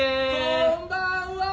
こんばんはー！